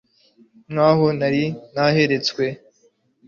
nkaho nari naheretswe